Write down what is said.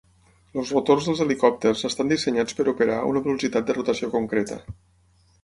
Els rotors dels helicòpters estan dissenyats per operar a una velocitat de rotació concreta.